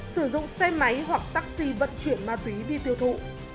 sử dụng xe máy hoặc taxi vận chuyển ma túy đi tiêu thụ